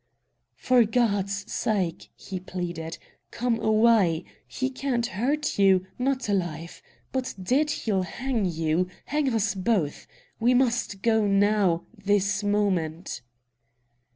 "For God's sake," he pleaded, "come away! He can't hurt you not alive; but dead, he'll hang you hang us both. We must go, now, this moment."